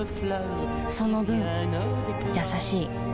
その分優しい